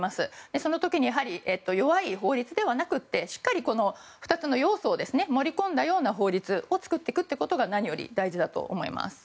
その時にやはり弱い法律ではなくてしっかり２つの要素を盛り込んだような法律を作っていくことが何より大事だと思います。